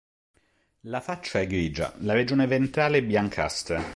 La faccia è grigia, la regione ventrale biancastra.